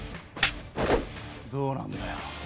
どうなんだよ？